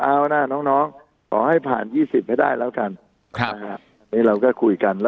เอานะน้องขอให้ผ่าน๒๐ไปได้แล้วกันเราก็คุยกัน